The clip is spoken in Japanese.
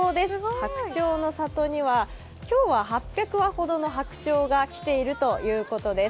白鳥の郷には今日は８００羽ほどの白鳥が来ているということです。